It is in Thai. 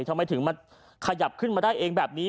ทำไมถึงมาขยับขึ้นมาได้เองแบบนี้